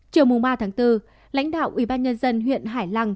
chiều mùng ba tháng bốn lãnh đạo ubnd huyện hải lăng